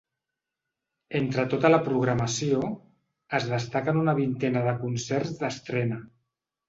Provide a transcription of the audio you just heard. Entre tota la programació, es destaquen una vintena de concerts d’estrena.